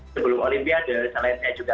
sebelum olimpi ada selain saya juga